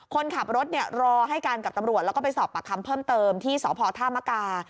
คนขับรถรอให้การกับตำรวจแล้วก็ไปสอบปากคำเพิ่มเติมที่สพธามกา